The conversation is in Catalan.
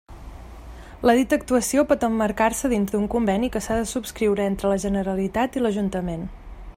La dita actuació pot emmarcar-se dins d'un conveni que s'ha de subscriure entre la Generalitat i l'Ajuntament.